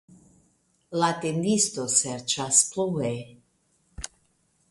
La tendisto serĉas plue.